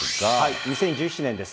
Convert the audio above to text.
２０１７年です。